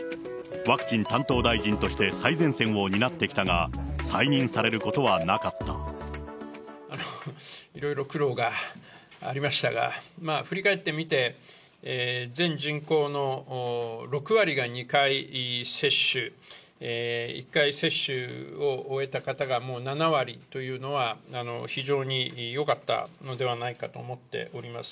ワクチン担当大臣として最前線を担ってきたが、再任されることはいろいろ苦労がありましたが、振り返ってみて、全人口の６割が２回接種、１回接種を終えた方が、もう７割というのは、非常によかったのではないかと思っております。